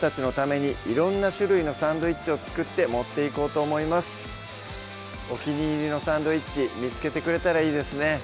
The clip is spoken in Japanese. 早速いってみましょうお気に入りのサンドイッチ見つけてくれたらいいですね